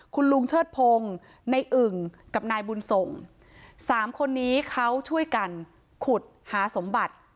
คุณลุงเชิดพงศ์ในอึ่งกับนายบุญส่งสามคนนี้เขาช่วยกันขุดหาสมบัติ